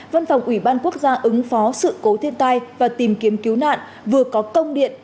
văn phòng ủy ban quốc gia ứng phó sự cố thiên tai và tìm kiếm cứu nạn vừa có công điện